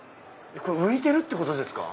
浮いてるってことですか